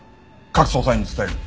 各捜査員に伝える。